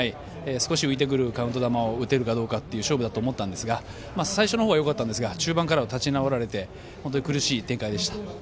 少し浮いてくるカウント球を打てるかどうかの勝負だと思ったんですが最初の方はよかったんですが中盤からは立ち直られて苦しい展開でした。